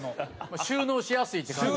収納しやすいって感じ？